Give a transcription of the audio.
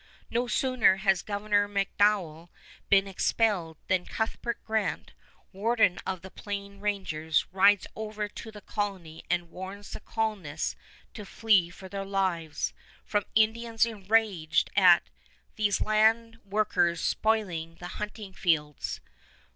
No sooner has Governor MacDonell been expelled than Cuthbert Grant, warden of the Plain Rangers, rides over to the colony and warns the colonists to flee for their lives, from Indians enraged at "these land workers spoiling the hunting fields."